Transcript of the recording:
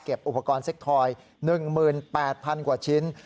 อุปกรณ์เซ็กทอย๑๘๐๐๐กว่าชิ้น